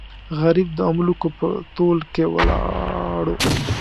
غریب د املوکو په تول کې ولاړو.